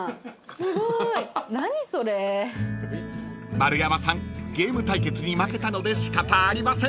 ［丸山さんゲーム対決に負けたので仕方ありません］